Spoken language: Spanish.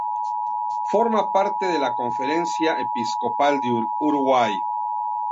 Forma parte de la Conferencia Episcopal del Uruguay.